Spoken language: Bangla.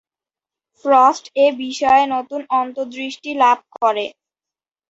ফ্রস্ট এ বিষয়ে নতুন অন্তর্দৃষ্টি লাভ করেন।